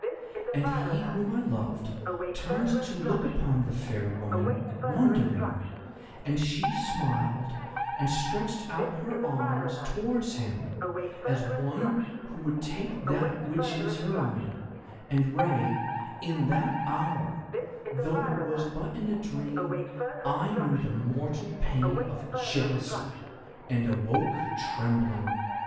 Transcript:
And he whom I loved turned to look upon the fair woman, wondering, and she smiled and stretched out her arm towards him as one who would take that which is her own, and Rei, in that hour, though it was but in a dream, I knew the mortal pain of jealousy, and awoke trembling.